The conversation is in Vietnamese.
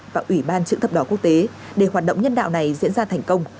và ủy ban chữ thập đỏ quốc tế để hoạt động nhân đạo này diễn ra thành công